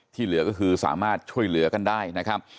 เหลือก็คือสามารถช่วยเหลือกันได้นะครับ